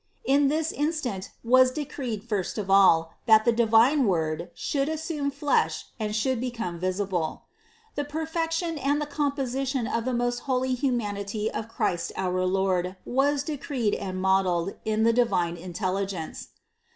In this instant was decreed first of all, that the di vine Word should assume flesh and should become vis ible. The perfection and the composition of the most holy humanity of Christ our Lord was decreed and modeled in the divine intelligence.